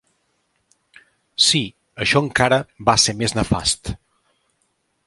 Sí, això encara va ser més nefast.